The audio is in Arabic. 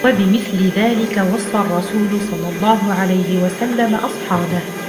وَبِمِثْلِ ذَلِكَ وَصَّى رَسُولُ اللَّهِ صَلَّى اللَّهُ عَلَيْهِ وَسَلَّمَ أَصْحَابَهُ